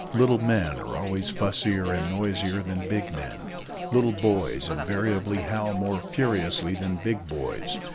Little men are always fussier and noisier than big men; little boys invariably howl more furiously than big boys.